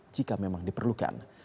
jika memang diperlukan